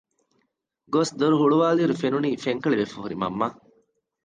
ގޮސް ދޮރު ހުޅުވައިލީއިރު ފެނުނީ ފެންކަޅިވެފައި ހުރި މަންމަ